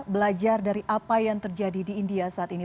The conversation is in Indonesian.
belajar dari apa yang terjadi di india saat ini